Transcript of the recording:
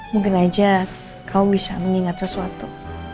mungkin aja kau bisa mengingat sesuatu